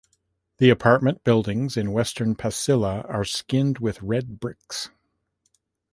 The apartment buildings in Western Pasila are skinned with red bricks.